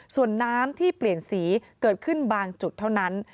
ส่วนน้ำที่เปลี่ยนสีเกิดขึ้นบางจุดเท่านั้น